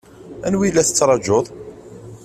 Anwa i la tettṛaǧuḍ?